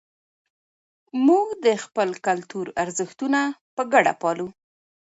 موږ د خپل کلتور ارزښتونه په ګډه پالو.